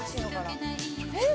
えっ？